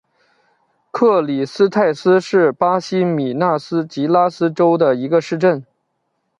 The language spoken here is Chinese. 克里斯泰斯是巴西米纳斯吉拉斯州的一个市镇。